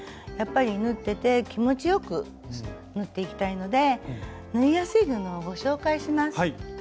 やっぱり縫ってて気持ちよく縫っていきたいので縫いやすい布をご紹介します。